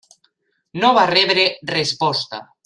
No va rebre resposta.